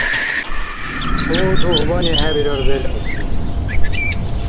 Хъу дугьбани хӀебирар белгӀуси.